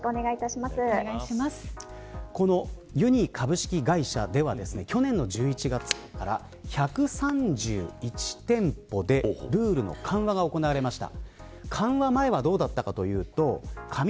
このユニー株式会社では去年の１１月から１３１店舗でルールの緩和が行われました。